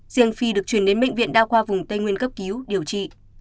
riêng phi được chuyển đến bệnh viện đa khoa vùng tây nguyên cấp cứu điều trị